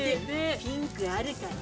ピンクあるかな？